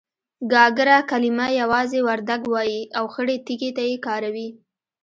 گاگره کلمه يوازې وردگ وايي او خړې تيږې ته يې کاروي.